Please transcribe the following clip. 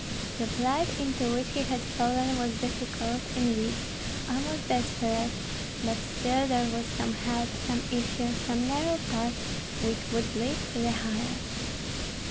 The plight into which he had fallen was difficult, indeed, almost desperate; but still there was some help, some issue, some narrow path which would lead to the highroad.